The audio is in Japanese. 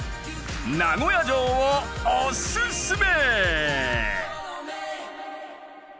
名古屋城をおすすめ！